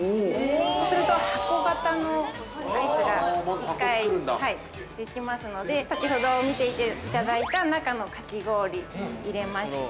そうすると、箱型のアイスができますので、先ほど見ていただいた、中のかき氷、入れまして。